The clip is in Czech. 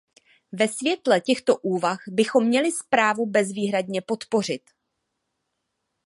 Ve světle těchto úvah bychom měli zprávu bezvýhradně podpořit.